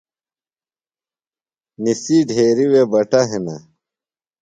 نِسی ڈھیرِیۡ وے بٹہ ہِنہ۔